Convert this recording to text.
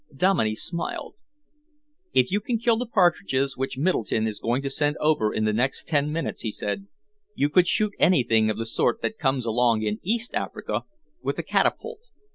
Dominey smiled. "If you can kill the partridges which Middleton is going to send over in the next ten minutes," he said, "you could shoot anything of the sort that comes along in East Africa, with a catapult.